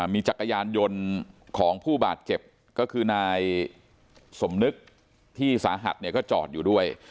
มีจักรยานยนต์ของผู้บาดเจ็บก็คือนายสมนึกที่สาหัสเนี่ยก็จอดอยู่ด้วย